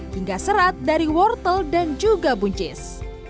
hingga serat dari wortel dan juga buncis